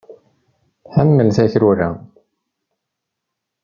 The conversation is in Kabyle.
Tḥemmel takrura.